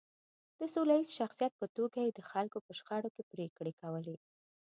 د سوله ییز شخصیت په توګه یې د خلکو په شخړو کې پرېکړې کولې.